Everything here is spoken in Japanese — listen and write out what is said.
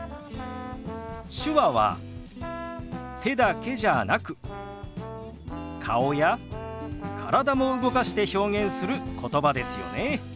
手話は手だけじゃなく顔や体も動かして表現することばですよね。